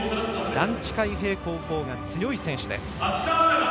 段違い平行棒が強い選手です。